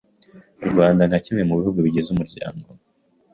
Rwanda nka kimwe mu bihugu bigize Umuryango